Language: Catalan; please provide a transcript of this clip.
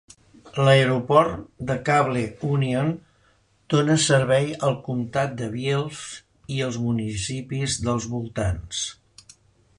L'Aeroport de Cable Union dona servei al comtat de Bayfield i els municipis dels voltants.